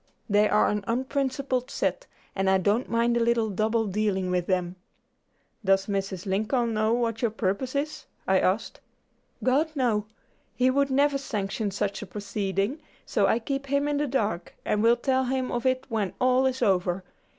They are an unprincipled set, and I don't mind a little double dealing with them." "Does Mr. Lincoln know what your purpose is?" I asked. "God! no; he would never sanction such a proceeding, so I keep him in the dark, and will tell him of it when all is over.